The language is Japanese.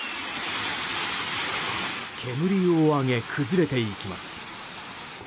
煙を上げ崩れていきます。